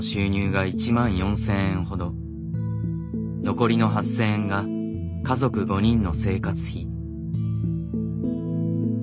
残りの８，０００円が家族５人の生活費。